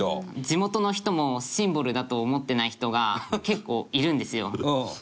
地元の人もシンボルだと思ってない人が結構いるんですよ。